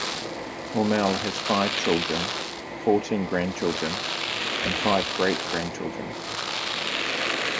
Hormel has five children, fourteen grandchildren, and five great-grandchildren.